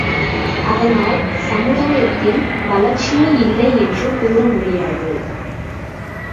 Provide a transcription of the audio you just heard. அதனால் சமுதாயத்தில் வளர்ச்சியே இல்லை என்று கூறமுடியாது.